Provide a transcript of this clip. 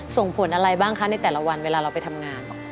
ส่งผลอะไรบ้างคะในแต่ละวันเวลาเราไปทำงาน